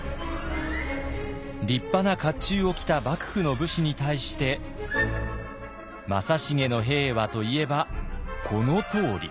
立派な甲冑を着た幕府の武士に対して正成の兵はといえばこのとおり。